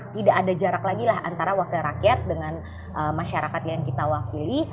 tidak ada jarak lagi lah antara wakil rakyat dengan masyarakat yang kita wakili